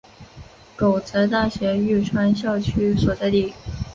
驹泽大学玉川校区所在地。